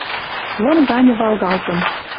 Лым ганьы валгалтын